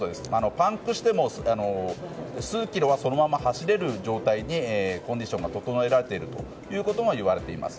パンクしても数キロはそのまま走れる状態にコンディションが整えられているといわれています。